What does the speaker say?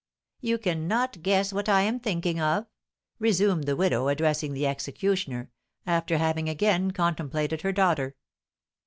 You cannot guess what I am thinking of?" resumed the widow, addressing the executioner, after having again contemplated her daughter.